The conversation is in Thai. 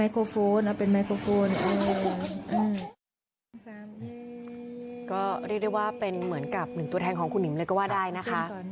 ก็เรียกได้ว่าเป็นเหมือนกับหนึ่งตัวแทนของคุณหิมเลยก็ว่าได้นะคะ